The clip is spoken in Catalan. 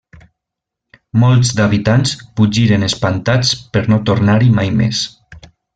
Molts d'habitants fugiren espantats per no tornar-hi mai més.